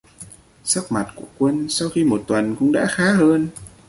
Sắc mặt của quân sau một tuần cũng đã khá hơn